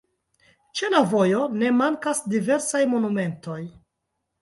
Ĉe la vojo ne mankas diversaj monumentoj.